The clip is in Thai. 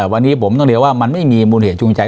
วันนี้ผมต้องเรียกว่ามันไม่มีมูลเหตุจูงใจ